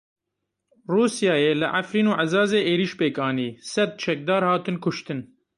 Rûsyayê li Efrîn û Ezazê êriş pêk anî; sed çekdar hatin kuştin.